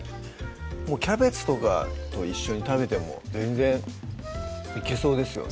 もうキャベツとかと一緒に食べても全然いけそうですよね